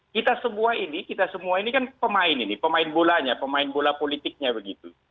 kita semua ini kita semua ini kan pemain ini pemain bolanya pemain bola politiknya begitu